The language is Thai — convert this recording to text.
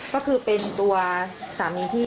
ก็คือเป็นตัวสามีที่